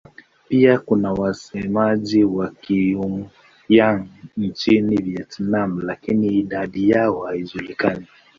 Pia kuna wasemaji wa Kizhuang-Yang nchini Vietnam lakini idadi yao haijulikani.